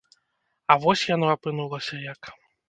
А вось яно апынулася як.